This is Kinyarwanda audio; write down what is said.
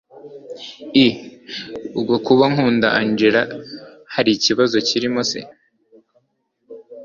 i ubwo kuba nkunda angella harikibazo kirimo se